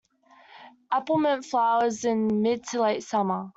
Apple mint flowers in mid to late summer.